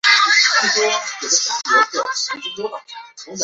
检察机关在审查起诉阶段依法告知了被告人戴自更享有的诉讼权利